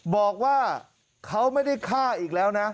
บอกว่าเขาไม่ได้ฆ่าอีกแล้วนะ